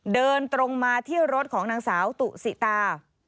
เดินตรงมาที่รถของนางสาวตุสิตา